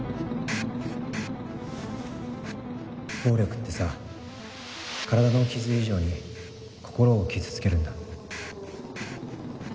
暴力ってさ体の傷以上に心を傷つけるんだ。